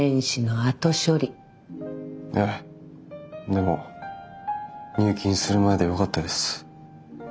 でも入金する前でよかったです。